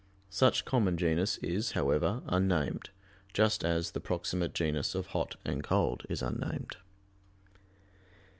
Such common genus is, however, unnamed, just as the proximate genus of hot and cold is unnamed.